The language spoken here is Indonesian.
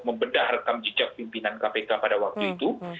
membedah rekam jejak pimpinan kpk pada waktu itu